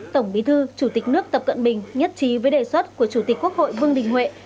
tổng bí thư chủ tịch nước tập cận bình nhất trí với đề xuất của chủ tịch quốc hội vương đình huệ